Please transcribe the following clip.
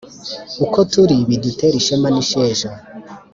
uko turi bidutere ishema n’isheja